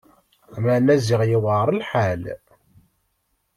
Meεna ziɣ i yuεer lḥal!